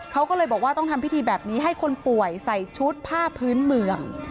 เขาก็เลยบอกว่าต้องทำพิธีแบบนี้ให้คนป่วยใส่ชุดผ้าพื้นเมือง